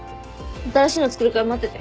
新しいの作るから待ってて。